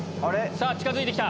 さぁ近づいて来た。